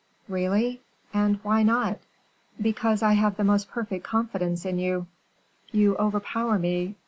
"Really and why not?" "Because I have the most perfect confidence in you." "You overpower me.